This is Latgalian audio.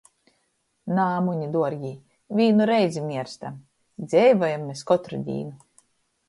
Nā, muni duorgī, vīnu reizi mierstam... dzeivojam mes kotru dīnu!